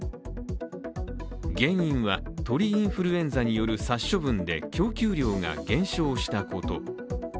原因は鳥インフルエンザによる殺処分で供給量が減少したこと。